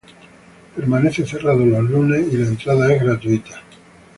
Permanece cerrado los lunes y la entrada es gratuita.